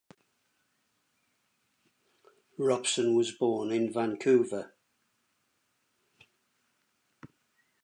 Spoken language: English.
Robson was born in Vancouver.